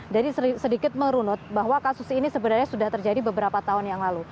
jadi sedikit merunut bahwa kasus ini sebenarnya sudah terjadi beberapa tahun yang lalu